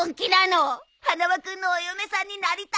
花輪君のお嫁さんになりたいんだから！